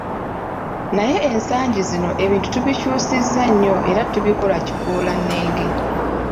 Naye ensangi zino ebintu tubikyusizza nnyo era tubikola kifuulannenge.